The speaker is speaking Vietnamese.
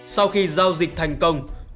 sau khi giao dịch thành công